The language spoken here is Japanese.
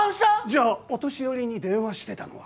じゃあお年寄りに電話してたのは？